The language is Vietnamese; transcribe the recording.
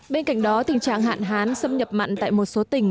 bên cạnh đó tình trạng hạn hán xâm nhập mặn tại một số tỉnh